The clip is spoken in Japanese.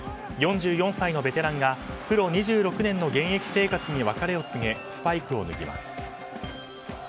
４４歳のベテランがプロ２６年の現役生活に別れを告げ、スパイクを脱ぎます。